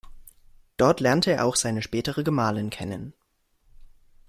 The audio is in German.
Dort lernte er auch seine spätere Gemahlin kennen.